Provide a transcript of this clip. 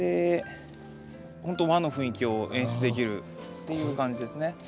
ほんと和の雰囲気を演出できるっていう感じですね。